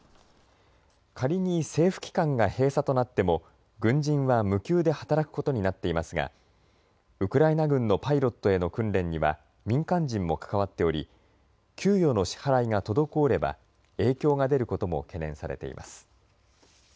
仮に政府機関が閉鎖となっても軍人は無給で働くことになっていますがウクライナ軍のパイロットへの訓練には民間人も関わっており、給与の支払いが滞れば影響が出ることも懸念されています。